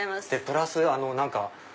プラス何か。